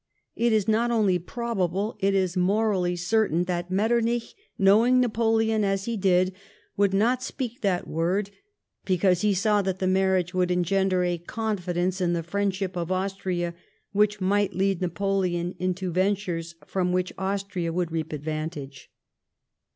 It is not only probable, it is morally certain, that Metternich, knowing Napoleon as he did, would not speak that word because he saw that the marriage would engender a confidence in the friendship of Austria which might lead Napoleon into ventures from Avhich Austria would reap advantage.